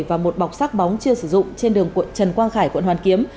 và một bọc sắc bóng chưa sử dụng trên đường trần quang khải quận hoàn kiếm